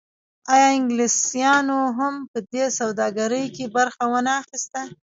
آیا انګلیسانو هم په دې سوداګرۍ کې برخه ونه اخیسته؟